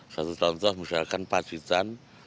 satu contoh misalkan pacitan